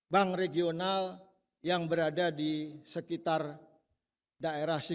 bank regional yang berada di sekitar daerah